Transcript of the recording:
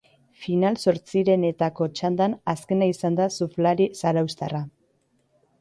Final-zortzirenetako txandan azkena izan da surflari zarauztarra.